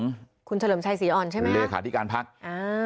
คุณเฉลิมชัยศรีอ่อนใช่ไหมครับคุณเฉลิมชัยศรีอ่อนเลขาธิการภักดิ์